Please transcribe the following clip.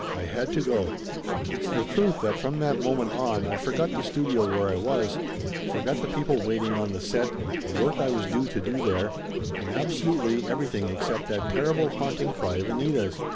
I had to go ! It's the truth that from that moment on I forgot the studio where I was, forgot the people waiting on the set, the work I was due to do there, and absolutely everything except that terrible haunting cry of Anita's.